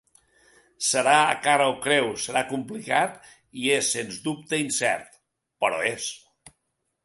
Serà a cara o creu, serà complicat i és sens dubte incert, però és.